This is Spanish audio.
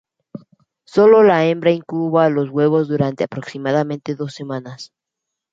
Solo la hembra incuba los huevos durante aproximadamente dos semanas.